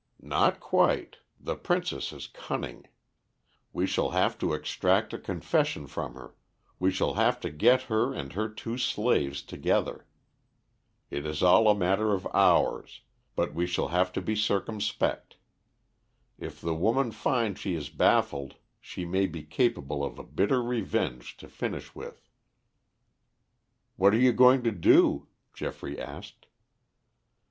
"Not quite. The princess is cunning. We shall have to extract a confession from her; we shall have to get her and her two slaves together. It is all a matter of hours, but we shall have to be circumspect. If the woman finds she is baffled she may be capable of a bitter revenge to finish with." "What are you going to do?" Geoffrey asked.